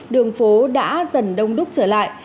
đường phố đã dần đông đúc trở lại